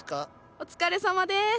お疲れさまです！